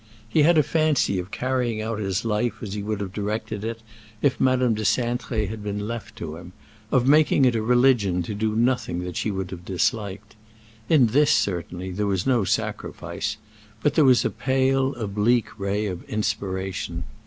He had a fancy of carrying out his life as he would have directed it if Madame de Cintré had been left to him—of making it a religion to do nothing that she would have disliked. In this, certainly, there was no sacrifice; but there was a pale, oblique ray of inspiration.